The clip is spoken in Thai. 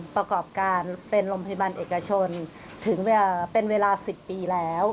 ประกอบการเป็นโรงพยาบาลเอกชนถึงเป็นเวลา๑๐ปีแล้ว